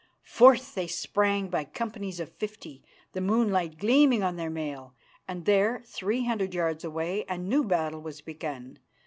Forth they sprang by companies of fifty, the moonlight gleaming on their mail, and there, three hundred yards away, a new battle was begun.